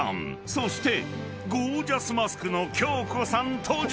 ［そしてゴージャスマスクの恭子さん登場］